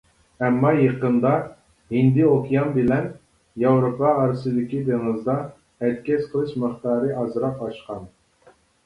ئەمما يېقىندا، ھىندى ئوكيان بىلەن ياۋروپا ئارىسىدىكى دېڭىزدا ئەتكەس قىلىش مىقدارى ئازراق ئاشقان.